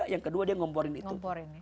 yang kedua dia ngomporin itu